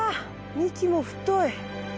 幹も太い。